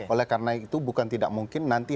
oleh karena itu bukan tidak mungkin nanti